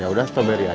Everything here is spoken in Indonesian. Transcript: ya udah strawberry aja